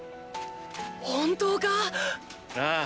本当か⁉ああ。